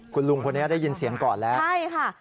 คุณลุงคนนี้ได้ยินเสียงก่อนแล้วใช่ค่ะ